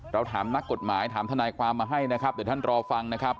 เราถามนักกฎหมายถามทนายความมาให้นะครับเดี๋ยวท่านรอฟังนะครับ